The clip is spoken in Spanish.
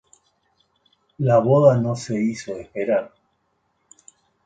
La boda no se hizo esperar.